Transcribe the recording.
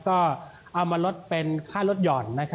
ก็เอามาลดเป็นค่ารถหย่อน